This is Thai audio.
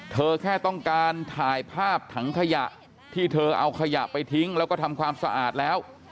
แค่ต้องการถ่ายภาพถังขยะที่เธอเอาขยะไปทิ้งแล้วก็ทำความสะอาดแล้ว